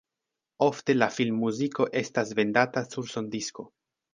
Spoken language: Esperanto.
Ofte la filmmuziko estas vendata sur sondisko.